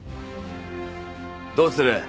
どうする？